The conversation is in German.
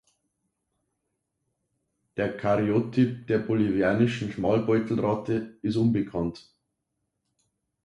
Der Karyotyp der Bolivianischen Schmalbeutelratte ist unbekannt.